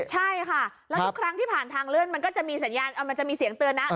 ใช่ค่ะแล้วทุกครั้งที่ผ่านทางเลื่อนมันก็จะมีเสียงเตือนนะ